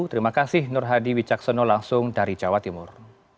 terima kasih nur hadi wicaksono langsung dari jawa timur